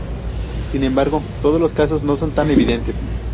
Sin embargo, todos los casos no son tan evidentes.